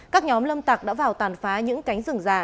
các nhóm lâm tạc đã vào tàn phá những cánh rừng già